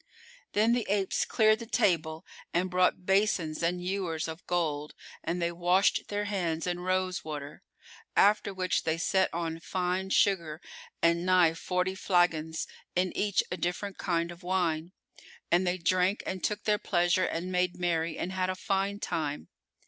Then the apes cleared the table and brought basins and ewers of gold, and they washed their hands in rose water; after which they set on fine sugar and nigh forty flagons, in each a different kind of wine, and they drank and took their pleasure and made merry and had a fine time.